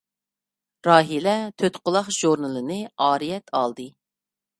راھىلە «تۆتقۇلاق ژۇرنىلى» نى ئارىيەت ئالدى.